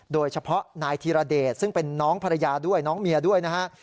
โดยเฉพาะนายธีรเดชซึ่งเป็นน้องภรรยาด้วยน้องเมียด้วยนะฮะ